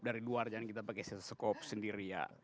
dari luar jangan kita pakai stetoskop sendiri